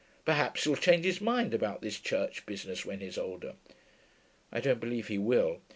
Perhaps he'll change his mind about this church business when he's older.' 'I don't believe he will.